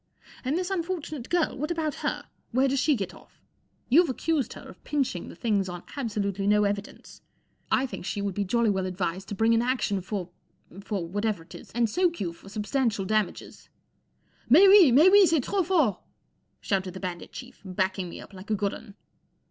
And this un¬ fortunate girl, what about her ? Where does she get off ? You've accused h er of pine hi n g the things on abso¬ lutely no evidence. I think she would be jolly well ad¬ vised to bring an action for—for whatever it is, and soak you for substantial damages." " M&is out f mats out f e'est trap fort!' 9 shouted the Bandit Chief, backing me up like a good 'tin.